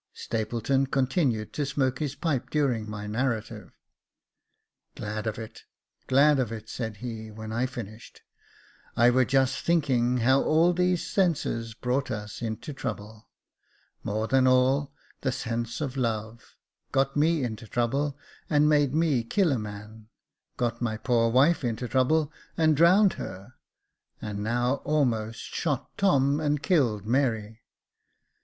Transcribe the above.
Stapleton continued to smoke his pipe during my narrative. " Glad of it, glad of it," said he, when I finished. " I were just thinking how all these senses brought us into trouble, more than all, that sense of love : got me into trouble, and made me kill a man, — got my poor wife into trouble, and drowned her, — and now almost shot Tom, and killed Mary.